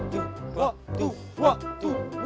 tungguh tungguh tungguh